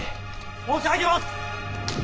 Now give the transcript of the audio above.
申し上げます！